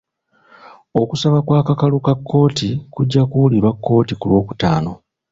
Okusaba kw'akakalu ka kkooti kujja kuwulirwa kkooti ku lw'okutaano.